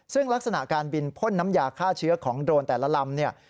ซึ่งลักษณะการบินพ่นน้ำยาฆ่าเชื้อของโดรนแต่ละลำเนี่ย